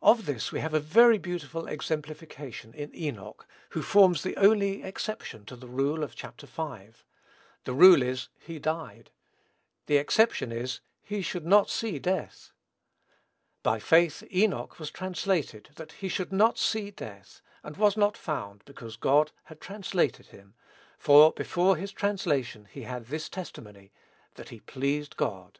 Of this we have a very beautiful exemplification in Enoch, who forms the only exception to the rule of Chap. V. The rule is, "he died;" the exception is, "he should not see death." "By faith Enoch was translated that he should not see death; and was not found, because God had translated him; for before his translation he had this testimony, that he pleased God."